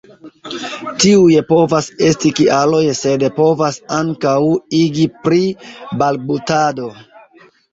Tiuj povas esti kialoj, sed povas ankaŭ igi pri balbutado.